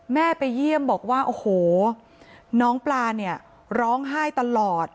แม่ไปเยี่ยมบอกว่าโอ้โหน้องปลาเนี่ยร้องไห้ตลอด